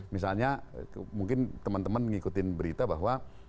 misalnya mungkin teman teman mengikuti berita bahwa